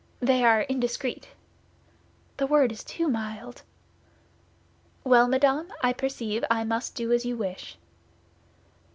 "They are indiscreet." "The word is too mild." "Well, madame, I perceive I must do as you wish."